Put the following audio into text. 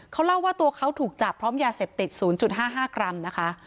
เขาเล่าว่าตัวเขาถูกจับพร้อมยาเสพติด๐๕๕กรัมนะคะ